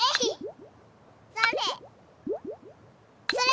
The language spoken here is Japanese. それ！